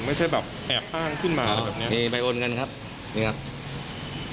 ไม่ใช่แบบแอบอ้านขึ้นมาหรือแบบนี้ครับไว้มันที่